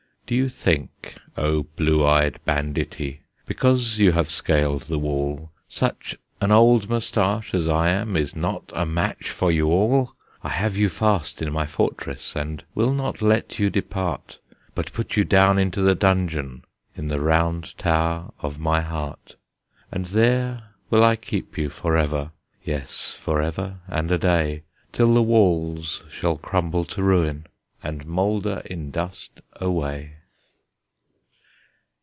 Do you think, O blue eyed banditti, Because you have scaled the wall, Such an old moustache as I am Is not a match for you all! I have you fast in my fortress, And will not let you depart, But put you down into the dungeon In the round tower of my heart. And there will I keep you forever, Yes, forever and a day, Till the walls shall crumble to ruin, And moulder in dust away!